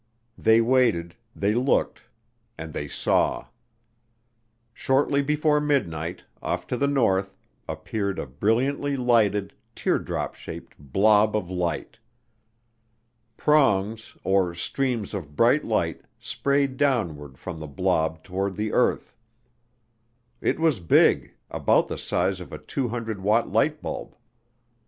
They waited, they looked and they saw. Shortly before midnight, off to the north, appeared "a brilliantly lighted, teardrop shaped, blob of light." "Prongs, or streams of bright light, sprayed downward from the blob toward the earth." It was big, about the size of a 200 watt light bulb.